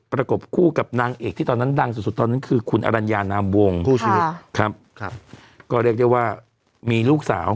ประกบคู่กับนางเอกที่ตอนนั้นดังสุดคือคุณอรัญญานามวงก็เรียกได้ว่ามีลูกสาว